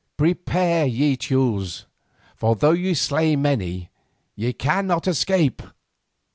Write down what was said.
Prepare, ye Teules, for though ye slay many, ye cannot escape."